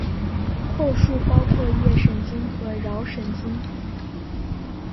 后束包括腋神经和桡神经。